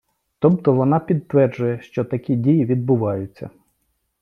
Тобто вона підтверджує, що такі дії відбуваються.